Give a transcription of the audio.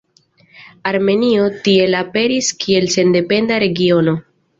Armenio tiel aperis kiel sendependa regiono.